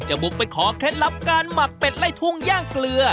บุกไปขอเคล็ดลับการหมักเป็ดไล่ทุ่งย่างเกลือ